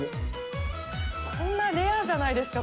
こんなレアじゃないですか。